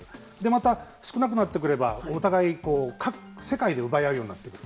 また少なくなってくればお互い世界で奪うようになってくる。